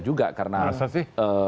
juga karena masa sih